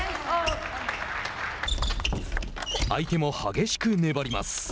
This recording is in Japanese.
相手も激しく粘ります。